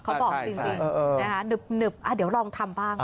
เขาบอกจริงหนึบเดี๋ยวลองทำบ้าง